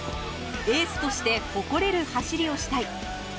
エースとして誇れる走りをしたい。